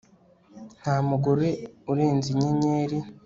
Nta mugore urenze inyenyeri